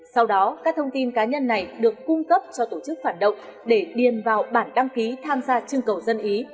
sau đó các thông tin cá nhân này được cung cấp cho tổ chức phản động để điền vào bản đăng ký tham gia chương cầu dân ý